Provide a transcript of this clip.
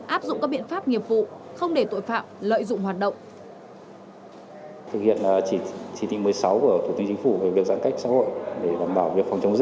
áp dụng các biện pháp nghiệp vụ không để tội phạm lợi dụng hoạt động